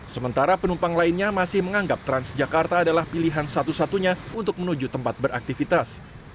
sementara penumpang lainnya masih menganggap transjakarta adalah pilihan satu satunya untuk menuju tempat beraktivitas